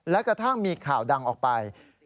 และกระทั่งมีข่าวดังออกไป